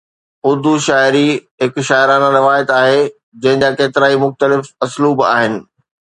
اردو شاعري هڪ شاعرانه روايت آهي جنهن جا ڪيترائي مختلف اسلوب آهن.